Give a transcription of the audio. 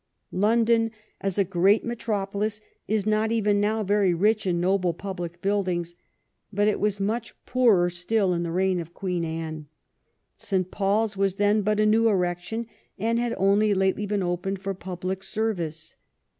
London as a great metropolis is not even now very rich in noble public buildings, but it was much poorer still in the reign of Queen Anne. St. PauPs was then but a new erection, and had only lately been opened for public service.